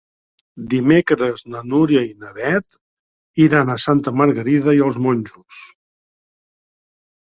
Dimecres na Núria i na Beth iran a Santa Margarida i els Monjos.